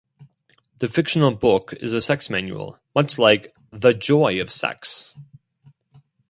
The fictional book is a sex manual, much like "The Joy of Sex".